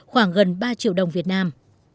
khoảng gần ba triệu đồng việt nam